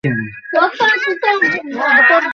MS, তুই দেখেছিস?